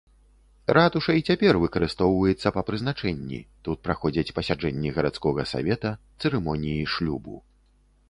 Ратуша і цяпер выкарыстоўваецца па прызначэнні, тут праходзяць пасяджэнні гарадскога савета, цырымоніі шлюбу.